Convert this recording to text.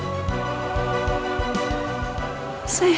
jaga tengok elsa